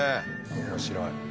面白い。